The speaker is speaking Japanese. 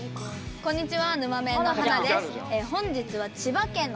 こんにちは。